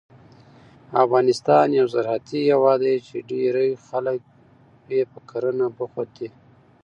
افغانستان یو زراعتي هېواد دی چې ډېری خلک یې په کرنه بوخت دي.